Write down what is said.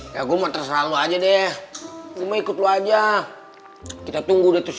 ya gua mau terserah lo aja deh gue ikut lo aja kita tunggu dato si